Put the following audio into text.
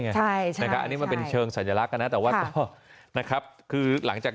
นะครับอันนี้มันเป็นเชิงสัญลักษณ์นะแต่ว่าก็นะครับคือหลังจาก